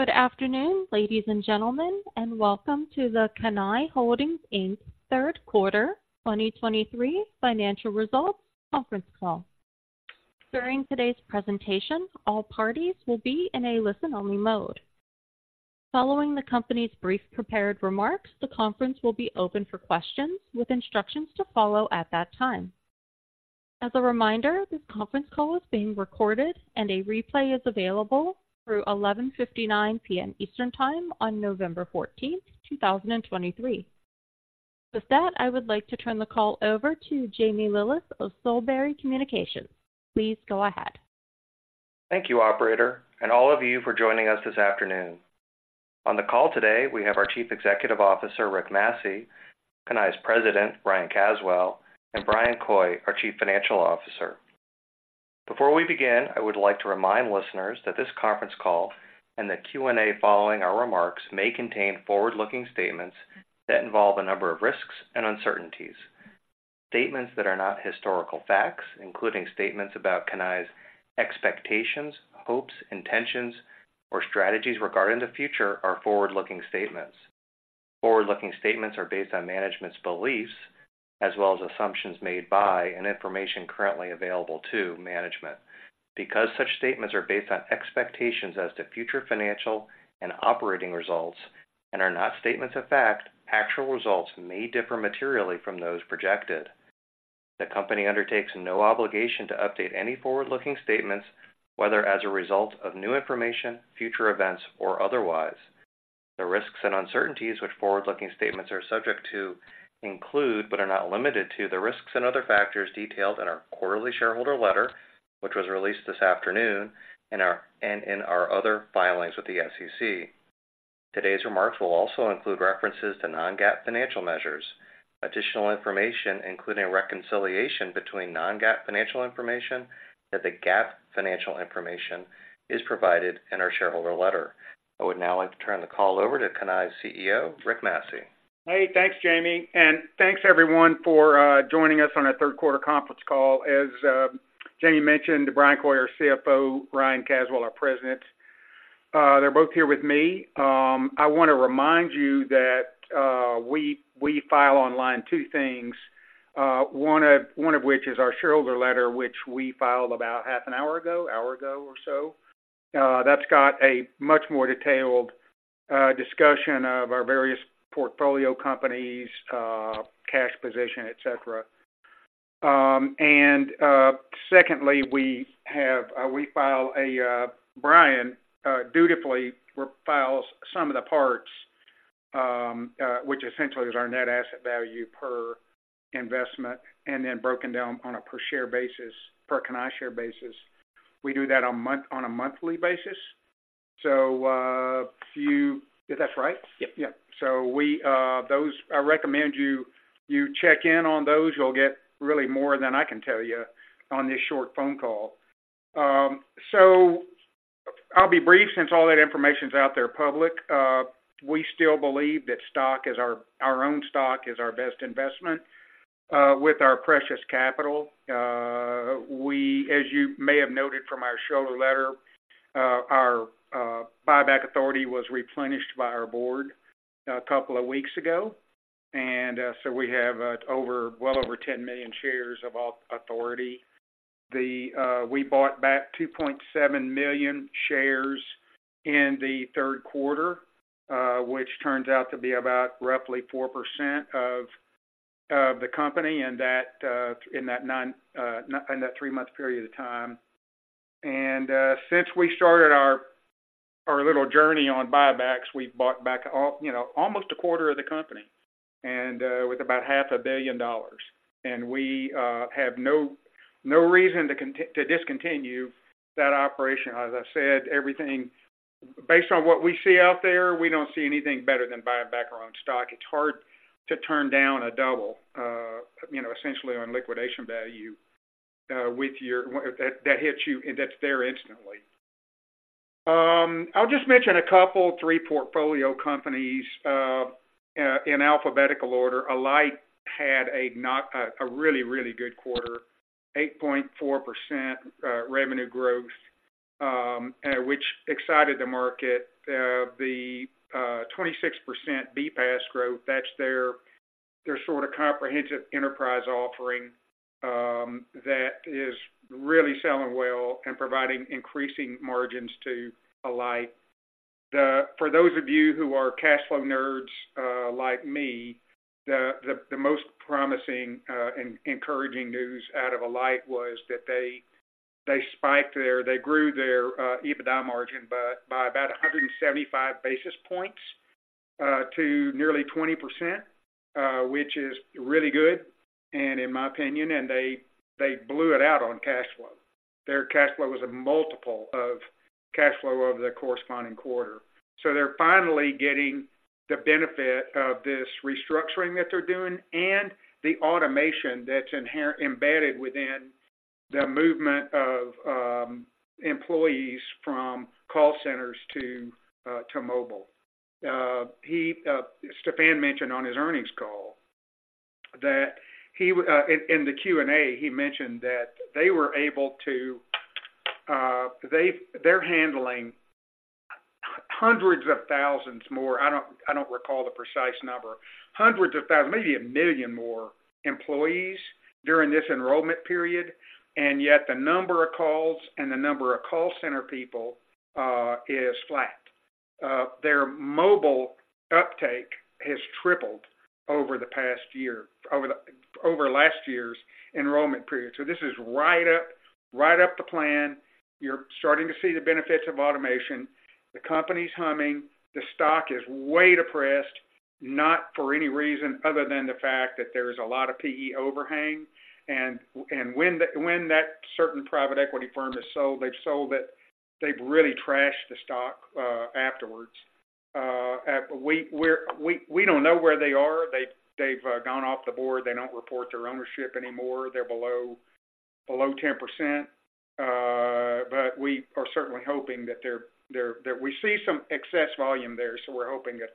Good afternoon, ladies and gentlemen, and welcome to the Cannae Holdings Inc.'s third quarter 2023 financial results conference call. During today's presentation, all parties will be in a listen-only mode. Following the company's brief prepared remarks, the conference will be open for questions, with instructions to follow at that time. As a reminder, this conference call is being recorded, and a replay is available through 11:59 P.M. Eastern Time on November 14, 2023. With that, I would like to turn the call over to Jamie Lillis of Solebury Communications. Please go ahead. Thank you, operator, and all of you for joining us this afternoon. On the call today, we have our Chief Executive Officer, Rick Massey, Cannae's President, Ryan Caswell, and Bryan Coy, our Chief Financial Officer. Before we begin, I would like to remind listeners that this conference call and the Q&A following our remarks may contain forward-looking statements that involve a number of risks and uncertainties. Statements that are not historical facts, including statements about Cannae's expectations, hopes, intentions, or strategies regarding the future, are forward-looking statements. Forward-looking statements are based on management's beliefs as well as assumptions made by and information currently available to management. Because such statements are based on expectations as to future financial and operating results and are not statements of fact, actual results may differ materially from those projected. The company undertakes no obligation to update any forward-looking statements, whether as a result of new information, future events, or otherwise. The risks and uncertainties which forward-looking statements are subject to include, but are not limited to, the risks and other factors detailed in our quarterly shareholder letter, which was released this afternoon, and in our other filings with the SEC. Today's remarks will also include references to non-GAAP financial measures. Additional information, including a reconciliation between non-GAAP financial information and the GAAP financial information, is provided in our shareholder letter. I would now like to turn the call over to Cannae's CEO, Rick Massey. Hey, thanks, Jamie, and thanks, everyone, for joining us on our third quarter conference call. As Jamie mentioned, Bryan Coy, our CFO, Ryan Caswell, our president, they're both here with me. I want to remind you that we file online two things, one of which is our shareholder letter, which we filed about half an hour ago, hour ago or so. That's got a much more detailed discussion of our various portfolio companies, cash position, et cetera. And secondly, Bryan dutifully files sum of the parts, which essentially is our net asset value per investment, and then broken down on a per share basis, per Cannae share basis. We do that on a monthly basis. So, if you... Is that right? Yep. Yep. So I recommend you check in on those. You'll get really more than I can tell you on this short phone call. So I'll be brief, since all that information is out there public. We still believe that our own stock is our best investment with our precious capital. As you may have noted from our shareholder letter, our buyback authority was replenished by our board a couple of weeks ago, and so we have over, well over 10 million shares of authority. We bought back 2.7 million shares in the third quarter, which turns out to be about roughly 4% of the company in that three-month period of time. And since we started our little journey on buybacks, we've bought back, you know, almost a quarter of the company and with about $500 million. And we have no reason to discontinue that operation. As I said, everything... Based on what we see out there, we don't see anything better than buying back our own stock. It's hard to turn down a double, you know, essentially on liquidation value, with that, that hits you and that's there instantly. I'll just mention a couple, three portfolio companies in alphabetical order. Alight had a really, really good quarter, 8.4% revenue growth, and which excited the market. The 26% BPaaS growth, that's their sort of comprehensive enterprise offering that is really selling well and providing increasing margins to Alight. For those of you who are cash flow nerds like me, the most promising and encouraging news out of Alight was that they spiked their-- they grew their EBITDA margin by about 175 basis points to nearly 20%, which is really good and in my opinion, and they blew it out on cash flow. Their cash flow was a multiple of cash flow over the corresponding quarter. So they're finally getting the benefit of this restructuring that they're doing and the automation that's embedded within the movement of employees from call centers to mobile. He, Stephan mentioned on his earnings call-... that he in the Q&A, he mentioned that they were able to, they're handling hundreds of thousands more. I don't recall the precise number. Hundreds of thousands, maybe a million more employees during this enrollment period, and yet the number of calls and the number of call center people is flat. Their mobile uptake has tripled over the past year, over last year's enrollment period. So this is right up, right up the plan. You're starting to see the benefits of automation. The company's humming. The stock is way depressed, not for any reason other than the fact that there's a lot of PE overhang. And when that certain private equity firm has sold, they've sold it, they've really trashed the stock afterwards. We don't know where they are. They've gone off the board. They don't report their ownership anymore. They're below 10%. But we are certainly hoping that they're that we see some excess volume there, so we're hoping that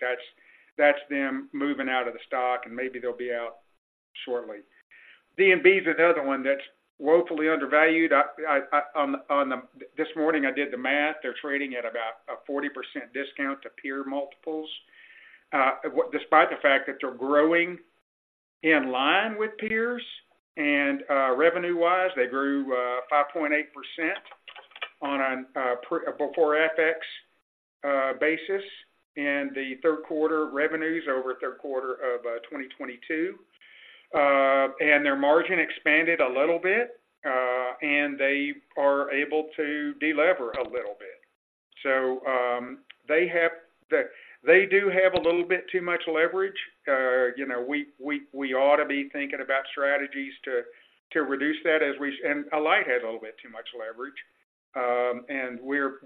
that's them moving out of the stock, and maybe they'll be out shortly. D&B is another one that's woefully undervalued. This morning, I did the math. They're trading at about a 40% discount to peer multiples, despite the fact that they're growing in line with peers, and revenue-wise, they grew 5.8% on a before FX basis, and the third quarter revenues over third quarter of 2022. And their margin expanded a little bit, and they are able to delever a little bit. They do have a little bit too much leverage. You know, we ought to be thinking about strategies to reduce that as we... And Alight has a little bit too much leverage. We're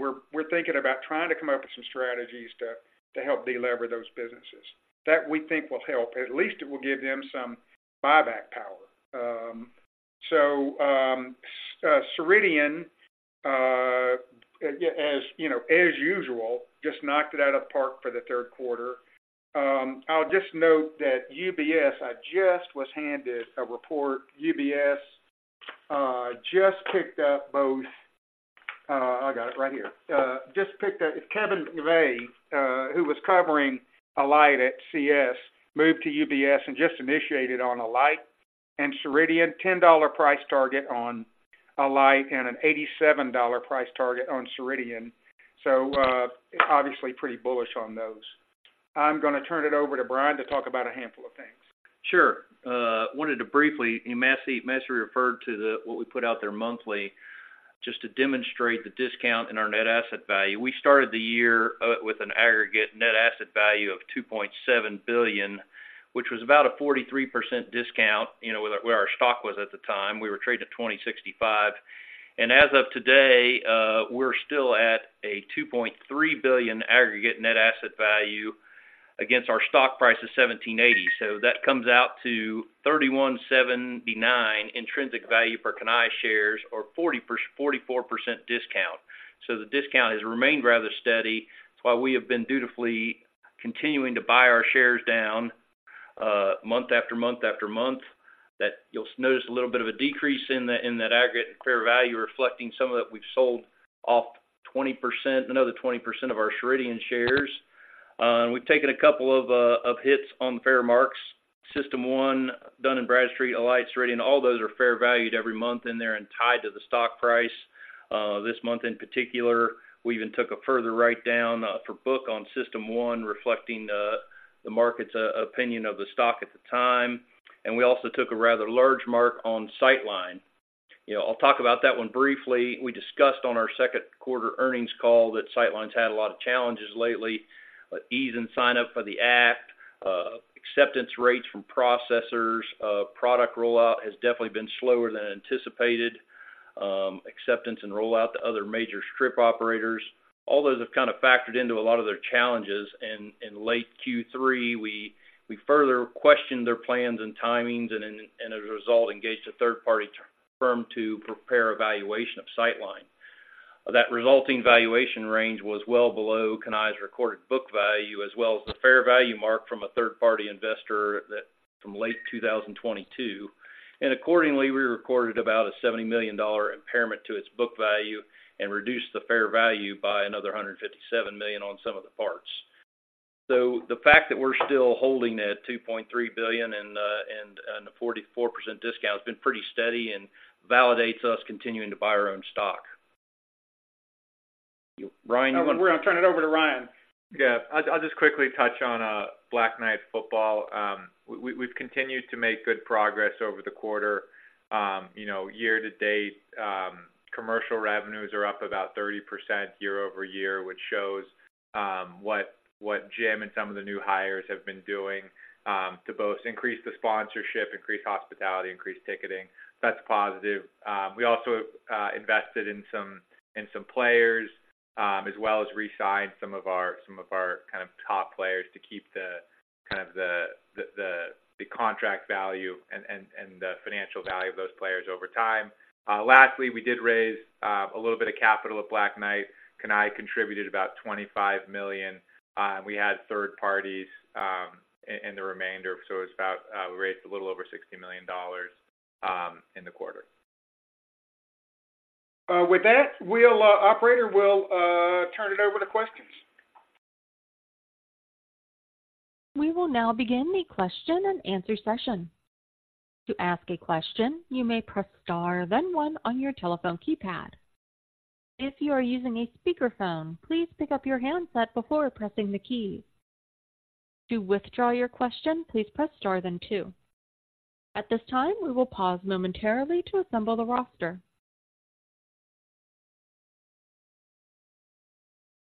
thinking about trying to come up with some strategies to help delever those businesses. That we think will help. At least it will give them some buyback power. Ceridian, yeah, as you know, as usual, just knocked it out of park for the third quarter. I'll just note that UBS, I just was handed a report. UBS just picked up both... I got it right here. Just picked up, it's Kevin McVeigh, who was covering Alight at CS, moved to UBS and just initiated on Alight and Ceridian, $10 price target on Alight and an $87 price target on Ceridian. So, obviously, pretty bullish on those. I'm gonna turn it over to Bryan to talk about a handful of things. Sure. Wanted to briefly, and Massey, Massey referred to the, what we put out there monthly, just to demonstrate the discount in our net asset value. We started the year with an aggregate net asset value of $2.7 billion, which was about a 43% discount, you know, where our, where our stock was at the time. We were trading at $20.65. And as of today, we're still at a $2.3 billion aggregate net asset value against our stock price of $17.80. So that comes out to $31.79 intrinsic value per Cannae shares, or forty-four percent discount. So the discount has remained rather steady while we have been dutifully continuing to buy our shares down, month after month after month, that you'll notice a little bit of a decrease in that, in that aggregate fair value, reflecting some of it, we've sold off 20%, another 20% of our Ceridian shares. And we've taken a couple of, of hits on fair marks. System1, Dun & Bradstreet, Alight, Ceridian, all those are fair valued every month in there and tied to the stock price. This month in particular, we even took a further write-down, for book on System1, reflecting, the market's, opinion of the stock at the time. And we also took a rather large mark on Sightline. You know, I'll talk about that one briefly. We discussed on our second quarter earnings call that Sightline's had a lot of challenges lately: issues and sign-up for the app, acceptance rates from processors, product rollout has definitely been slower than anticipated, acceptance and rollout to other major strip operators. All those have kind of factored into a lot of their challenges, and late Q3, we further questioned their plans and timings, and as a result, engaged a third-party firm to prepare evaluation of Sightline. That resulting valuation range was well below Cannae's recorded book value, as well as the fair value mark from a third-party investor that from late 2022. And accordingly, we recorded about a $70 million impairment to its book value and reduced the fair value by another $157 million in sum-of-the-parts. So the fact that we're still holding that $2.3 billion and the 44% discount has been pretty steady and validates us continuing to buy our own stock. Ryan, you- We're gonna turn it over to Ryan. Yeah. I'll, I'll just quickly touch on Black Knight Football. We've continued to make good progress over the quarter. You know, year to date, commercial revenues are up about 30% year-over-year, which shows what Jim and some of the new hires have been doing to both increase the sponsorship, increase hospitality, increase ticketing. That's positive. We also invested in some players as well as re-signed some of our kind of top players to keep the kind of contract value and the financial value of those players over time. Lastly, we did raise a little bit of capital at Black Knight. Cannae contributed about $25 million, and we had third parties in the remainder. So it's about we raised a little over $60 million in the quarter.... with that, we'll, operator, we'll turn it over to questions. We will now begin the question and answer session. To ask a question, you may press star, then one on your telephone keypad. If you are using a speakerphone, please pick up your handset before pressing the key. To withdraw your question, please press star then two. At this time, we will pause momentarily to assemble the roster.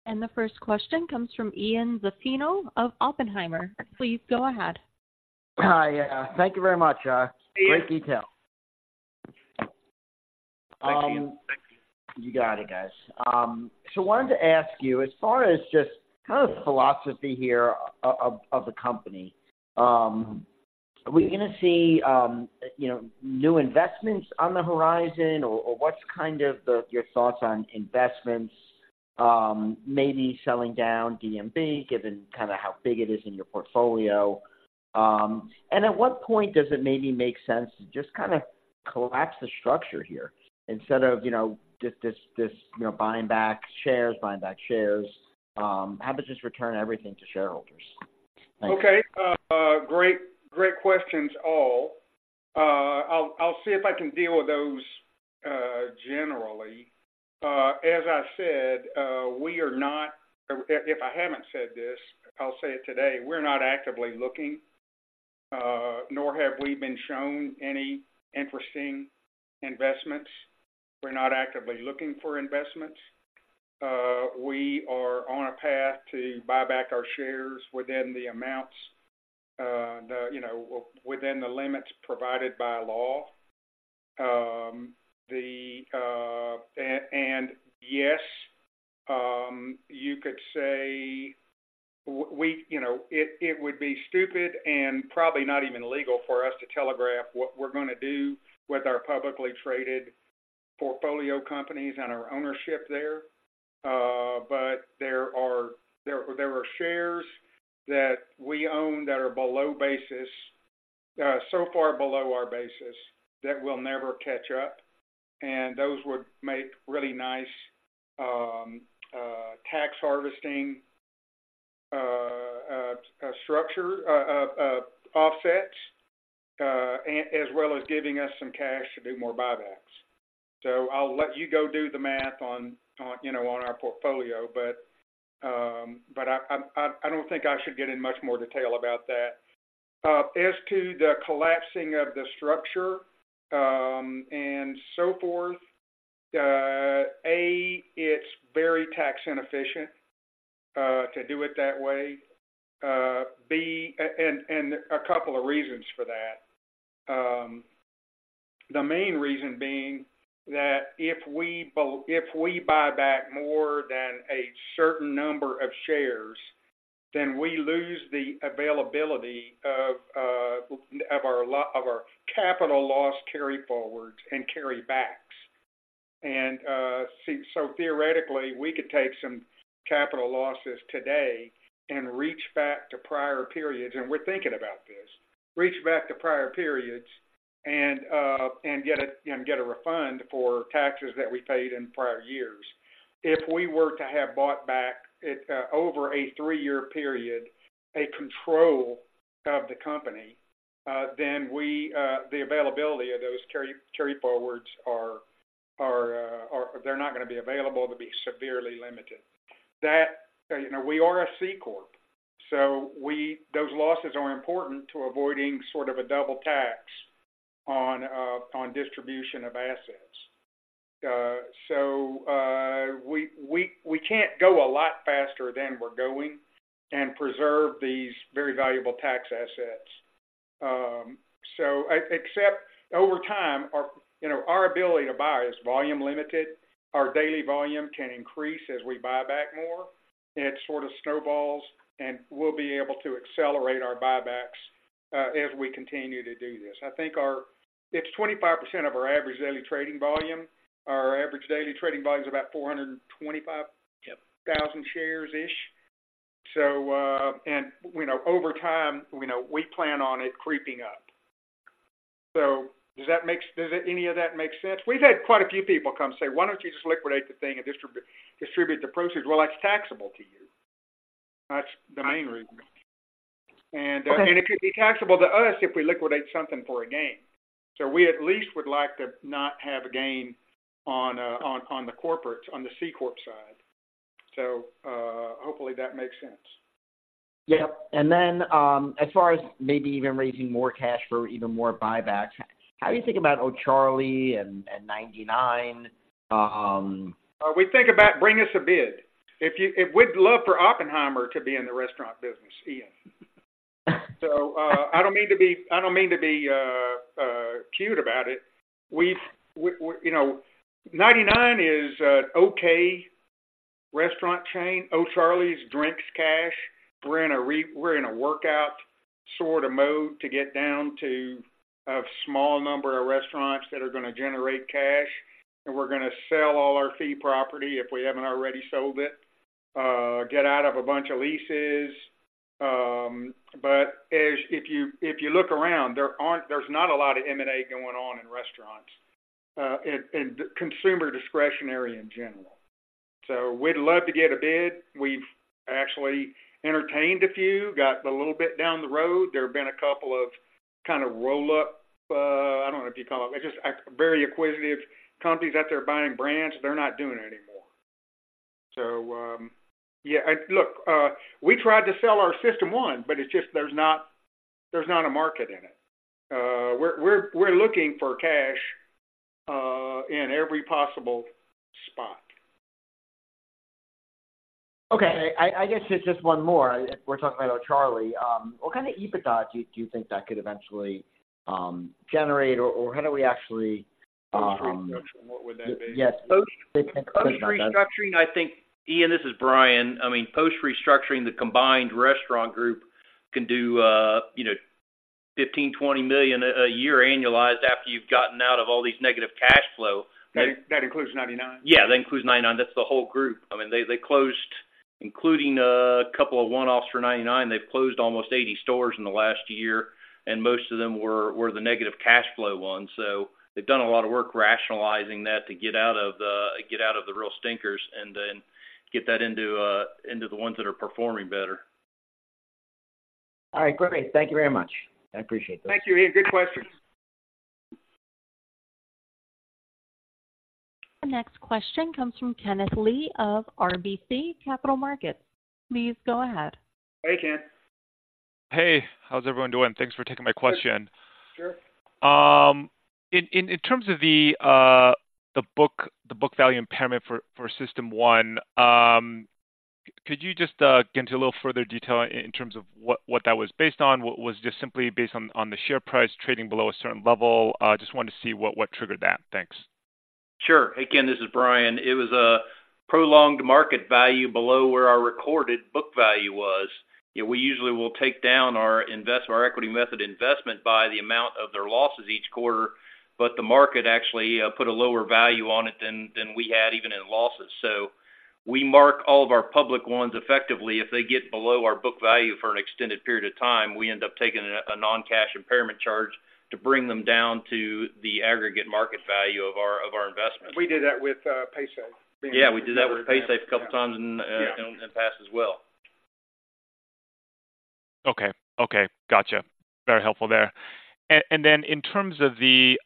The first question comes from Ian Zaffino of Oppenheimer. Please go ahead. Hi. Yeah, thank you very much. Yeah. Great detail. Thanks, Ian. Thank you. You got it, guys. So wanted to ask you, as far as just kind of the philosophy here of the company, are we gonna see, you know, new investments on the horizon, or what's kind of your thoughts on investments? Maybe selling down DNB, given kind of how big it is in your portfolio. And at what point does it maybe make sense to just kind of collapse the structure here instead of, you know, just this, this, you know, buying back shares, buying back shares, how about just return everything to shareholders? Thank you. Okay. Great, great questions, all. I'll see if I can deal with those, generally. As I said, we are not... If I haven't said this, I'll say it today: we're not actively looking, nor have we been shown any interesting investments. We're not actively looking for investments. We are on a path to buy back our shares within the amounts, the, you know, within the limits provided by law. The, and yes, you could say we, you know, it would be stupid and probably not even legal for us to telegraph what we're gonna do with our publicly traded portfolio companies and our ownership there. But there are shares that we own that are below basis, so far below our basis, that we'll never catch up, and those would make really nice tax harvesting structure offsets as well as giving us some cash to do more buybacks. So I'll let you go do the math on you know on our portfolio, but I don't think I should get in much more detail about that. As to the collapsing of the structure and so forth, A, it's very tax inefficient to do it that way. B, and a couple of reasons for that. The main reason being that if we buy back more than a certain number of shares, then we lose the availability of our capital loss carry forwards and carry backs. So theoretically, we could take some capital losses today and reach back to prior periods, and we're thinking about this. Reach back to prior periods and get a refund for taxes that we paid in prior years. If we were to have bought back over a three year period a control of the company, then the availability of those carry forwards are severely limited. That, you know, we are a C corp, so we—those losses are important to avoiding sort of a double tax on, on distribution of assets. So, we can't go a lot faster than we're going and preserve these very valuable tax assets. So except over time, our, you know, our ability to buy is volume limited. Our daily volume can increase as we buy back more. It sort of snowballs, and we'll be able to accelerate our buybacks, as we continue to do this. I think our... It's 25% of our average daily trading volume. Our average daily trading volume is about 425- Yep. -thousand shares-ish. So, you know, over time, you know, we plan on it creeping up. So does that make sense? Does any of that make sense? We've had quite a few people come say, "Why don't you just liquidate the thing and distribute the proceeds?" Well, that's taxable to you. That's the main reason. Okay. And it would be taxable to us if we liquidate something for a gain. So we at least would like to not have a gain on the corporates, on the C corp side. So, hopefully that makes sense. Yep. And then, as far as maybe even raising more cash for even more buybacks, how do you think about O'Charley's and, and Ninety Nine? We think about bringing us a bid. If you, we'd love for Oppenheimer to be in the restaurant business, Ian. So, I don't mean to be cute about it. We've you know, Ninety-Nine is a okay restaurant chain, O'Charley's drains cash. We're in a workout sort of mode to get down to a small number of restaurants that are gonna generate cash, and we're gonna sell all our real property, if we haven't already sold it, get out of a bunch of leases, but if you look around, there's not a lot of M&A going on in restaurants, and consumer discretionary in general. So we'd love to get a bid. We've actually entertained a few, got a little bit down the road. There have been a couple of kind of roll up, I don't know if you call it, just a very acquisitive companies out there buying brands. They're not doing it anymore. So, yeah, look, we tried to sell our System1, but it's just there's not a market in it. We're looking for cash, in every possible spot. Okay, I guess just one more. If we're talking about O'Charley's, what kind of EBITDA do you think that could eventually generate or how do we actually, Post-restructuring, what would that be? Yes. Post, post-restructuring, I think, Ian, this is Bryan. I mean, post-restructuring, the combined restaurant group can do, you know, $15 million-$20 million a year annualized after you've gotten out of all these negative cash flow. That includes Ninety Nine? Yeah, that includes Ninety Nine. That's the whole group. I mean, they closed, including a couple of one-offs for Ninety Nine. They've closed almost 80 stores in the last year, and most of them were the negative cash flow ones. So they've done a lot of work rationalizing that to get out of the real stinkers and then get that into the ones that are performing better. All right, great. Thank you very much. I appreciate that. Thank you, Ian. Good questions. The next question comes from Kenneth Lee of RBC Capital Markets. Please go ahead. Hey, Ken. Hey, how's everyone doing? Thanks for taking my question. Sure. In terms of the book value impairment for System1, could you just get into a little further detail in terms of what that was based on? Was it just simply based on the share price trading below a certain level? Just wanted to see what triggered that. Thanks. Sure. Hey, Ken, this is Bryan. It was a prolonged market value below where our recorded book value was. We usually will take down our invest-- our equity method investment by the amount of their losses each quarter, but the market actually put a lower value on it than we had even in losses. So we mark all of our public ones effectively. If they get below our book value for an extended period of time, we end up taking a non-cash impairment charge to bring them down to the aggregate market value of our investments. We did that with Paysafe. Yeah, we did that with Paysafe a couple of times in the past as well. Okay. Okay, gotcha. Very helpful there. And then in terms of the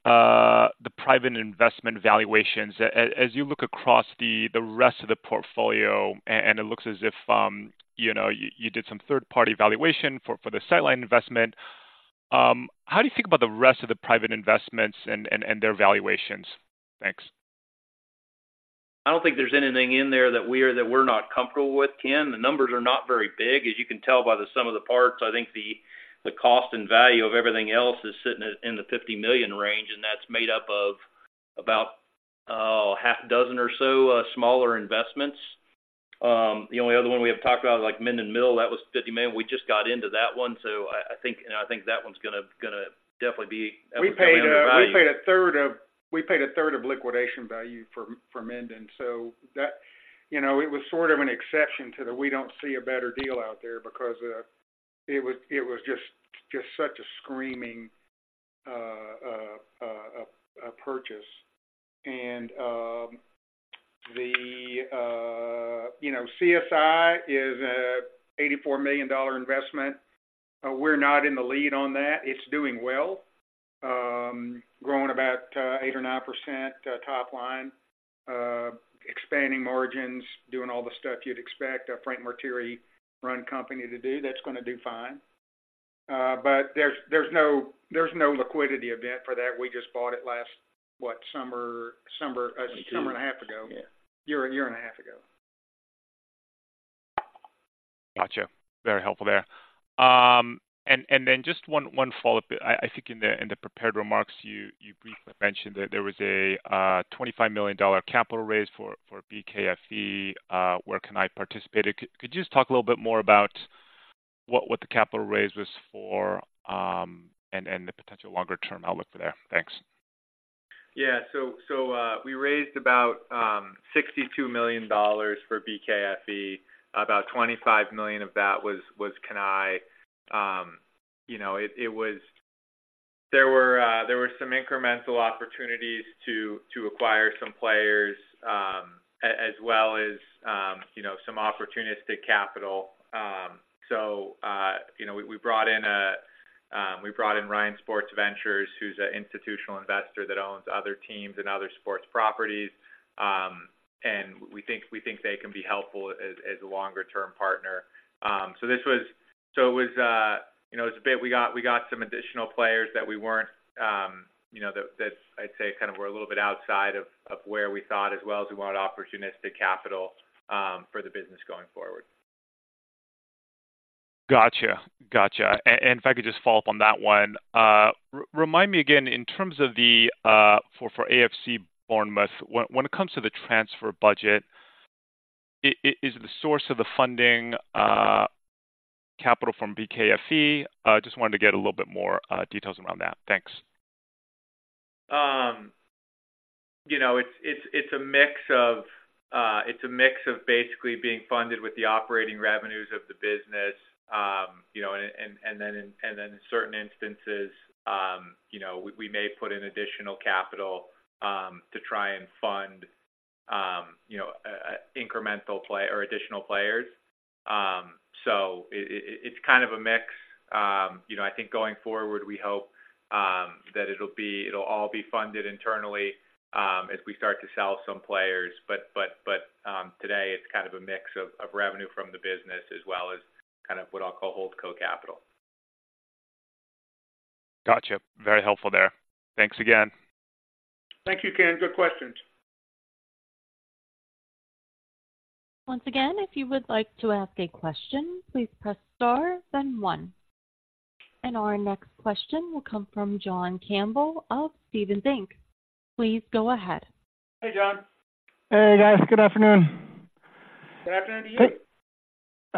private investment valuations, as you look across the rest of the portfolio and it looks as if, you know, you did some third-party valuation for the Sightline investment, how do you think about the rest of the private investments and their valuations? Thanks. I don't think there's anything in there that we're not comfortable with, Ken. The numbers are not very big, as you can tell by the sum of the parts. I think the cost and value of everything else is sitting in the $50 million range, and that's made up of about half a dozen or so smaller investments. The only other one we have talked about is like Minden Mill, that was $50 million. We just got into that one, so I think, and I think that one's gonna definitely be- We paid a third of liquidation value for Minden. So that, you know, it was sort of an exception to the we don't see a better deal out there because it was just such a screaming purchase. And, you know, CSI is an $84 million investment. We're not in the lead on that. It's doing well, growing about 8% or 9% top line, expanding margins, doing all the stuff you'd expect a Frank Martire-run company to do, that's going to do fine. But there's no liquidity event for that. We just bought it last summer and a half ago. Yeah. A year and a half ago. Gotcha. Very helpful there. And then just one follow-up. I think in the prepared remarks, you briefly mentioned that there was a $25 million capital raise for BKFE. Where can I participate? Could you just talk a little bit more about what the capital raise was for, and the potential longer-term outlook for there? Thanks. Yeah. So, we raised about $62 million for BKFE. About $25 million of that was Cannae. You know, it was. There were some incremental opportunities to acquire some players, as well as, you know, some opportunistic capital. So, you know, we brought in Ryan Sports Ventures, who's an institutional investor that owns other teams and other sports properties. And we think they can be helpful as a longer-term partner. So this was. So it was, you know, it's a bit. We got some additional players that we weren't, you know, that I'd say kind of were a little bit outside of where we thought, as well as we wanted opportunistic capital for the business going forward. Gotcha. Gotcha. And if I could just follow up on that one. Remind me again, in terms of the for AFC Bournemouth, when it comes to the transfer budget, is the source of the funding, capital from BKFE? Just wanted to get a little bit more details around that. Thanks.... You know, it's a mix of basically being funded with the operating revenues of the business. You know, and then in certain instances, you know, we may put in additional capital to try and fund incremental play or additional players. So it's kind of a mix. You know, I think going forward, we hope that it'll all be funded internally as we start to sell some players. But today, it's kind of a mix of revenue from the business as well as kind of what I'll call hold co capital. Gotcha. Very helpful there. Thanks again. Thank you, Ken. Good questions. Once again, if you would like to ask a question, please press Star, then one. Our next question will come from John Campbell of Stephens Inc. Please go ahead. Hey, John. Hey, guys. Good afternoon. Good afternoon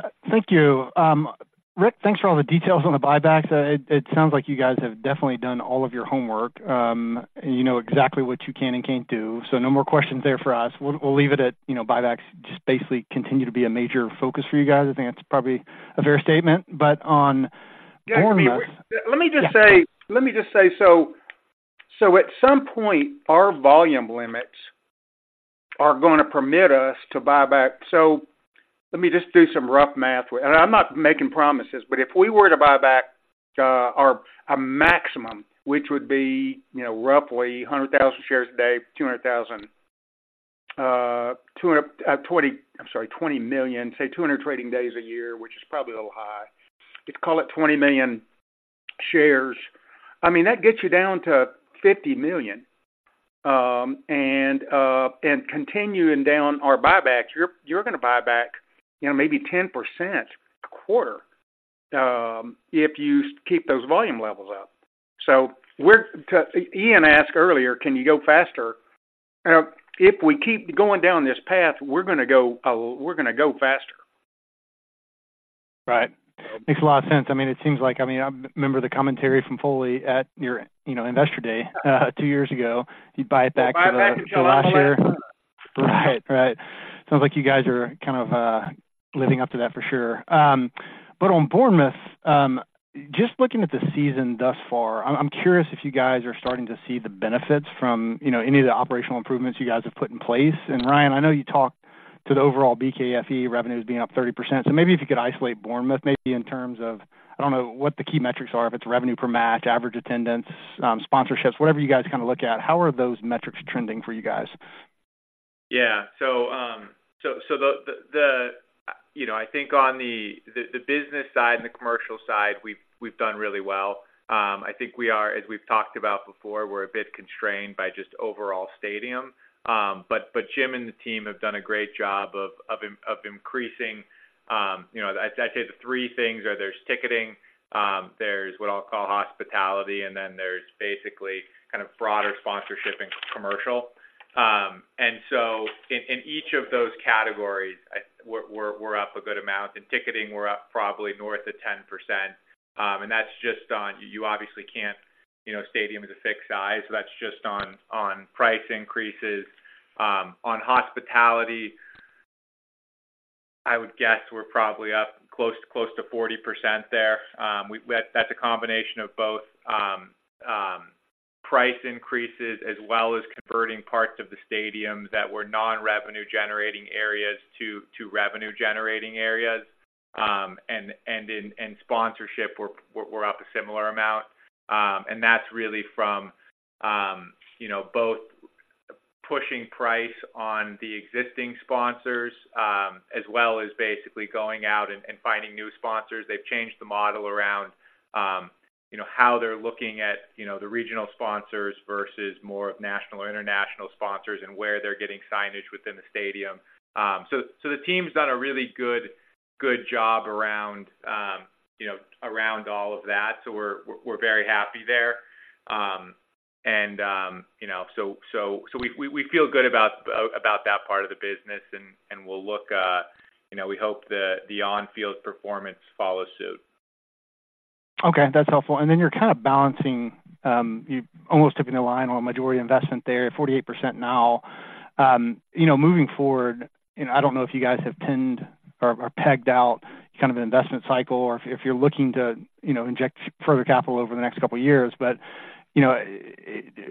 to you. Thank you. Rick, thanks for all the details on the buybacks. It sounds like you guys have definitely done all of your homework, and you know exactly what you can and can't do. So no more questions there for us. We'll leave it at, you know, buybacks just basically continue to be a major focus for you guys. I think that's probably a fair statement, but on Bournemouth- Let me just say- Yeah. Let me just say, so at some point, our volume limits are gonna permit us to buy back. So let me just do some rough math, and I'm not making promises, but if we were to buy back, our, a maximum, which would be, you know, roughly 100,000 shares a day, 200,000, 220, I'm sorry, 20 million, say, 200 trading days a year, which is probably a little high. Let's call it 20 million shares. I mean, that gets you down to 50 million, and continuing down our buybacks, you're gonna buy back, you know, maybe 10% a quarter, if you keep those volume levels up. So we're—Ian asked earlier, "Can you go faster?" You know, if we keep going down this path, we're gonna go, we're gonna go faster. Right. Makes a lot of sense. I mean, it seems like, I mean, I remember the commentary from Foley at your, you know, Investor Day, two years ago. You'd buy it back for the last year. Buy it back, John. Right. Right. Sounds like you guys are kind of living up to that for sure. But on Bournemouth, just looking at the season thus far, I'm curious if you guys are starting to see the benefits from, you know, any of the operational improvements you guys have put in place. And, Ryan, I know you talked to the overall BKFE revenues being up 30%, so maybe if you could isolate Bournemouth, maybe in terms of, I don't know what the key metrics are, if it's revenue per match, average attendance, sponsorships, whatever you guys kind of look at, how are those metrics trending for you guys? Yeah. So, the, you know, I think on the business side and the commercial side, we've done really well. I think we are, as we've talked about before, we're a bit constrained by just overall stadium. But Jim and the team have done a great job of increasing, you know... I'd say the three things are there's ticketing, there's what I'll call hospitality, and then there's basically kind of broader sponsorship and commercial. And so in each of those categories, we're up a good amount. In ticketing, we're up probably north of 10%, and that's just on... You obviously can't, you know, stadium is a fixed size, so that's just on price increases. On hospitality, I would guess we're probably up close to 40% there. That's a combination of both price increases as well as converting parts of the stadium that were non-revenue-generating areas to revenue-generating areas. And in sponsorship, we're up a similar amount, and that's really from you know, both pushing price on the existing sponsors as well as basically going out and finding new sponsors. They've changed the model around, you know, how they're looking at you know, the regional sponsors versus more of national or international sponsors, and where they're getting signage within the stadium. So the team's done a really good job around you know, around all of that, so we're very happy there. You know, so we feel good about that part of the business, and we'll look, you know, we hope the on-field performance follows suit. Okay, that's helpful. And then you're kind of balancing, you're almost tipping the line on a majority investment there, 48% now. You know, moving forward, and I don't know if you guys have pinned or pegged out kind of an investment cycle or if you're looking to, you know, inject further capital over the next couple of years, but, you know,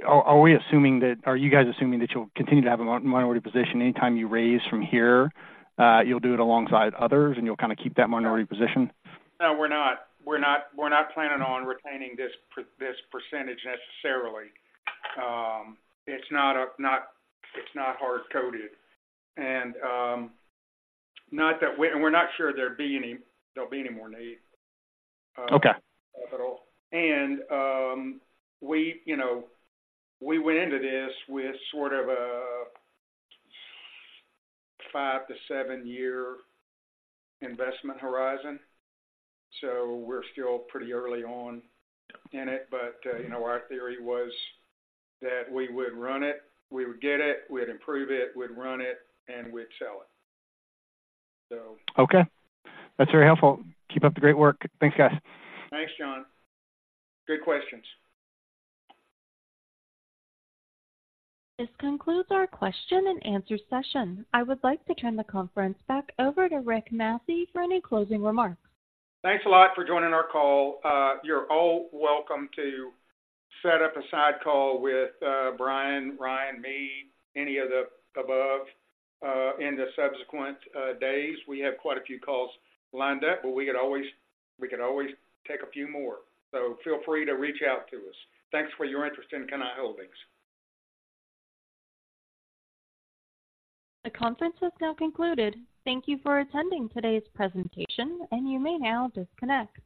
are we assuming that-- are you guys assuming that you'll continue to have a minority position anytime you raise from here? You'll do it alongside others, and you'll kind of keep that minority position? No, we're not. We're not planning on retaining this percentage necessarily. It's not hard-coded. And we're not sure there'll be any more need- Okay. Capital. And, we, you know, we went into this with sort of a 5-7-year investment horizon, so we're still pretty early on in it. But, you know, our theory was that we would run it, we would get it, we'd improve it, we'd run it, and we'd sell it, so. Okay. That's very helpful. Keep up the great work. Thanks, guys. Thanks, John. Good questions. This concludes our question and answer session. I would like to turn the conference back over to Rick Massey for any closing remarks. Thanks a lot for joining our call. You're all welcome to set up a side call with Bryan, Ryan, me, any of the above, in the subsequent days. We have quite a few calls lined up, but we could always, we could always take a few more, so feel free to reach out to us. Thanks for your interest in Cannae Holdings. The conference has now concluded. Thank you for attending today's presentation, and you may now disconnect.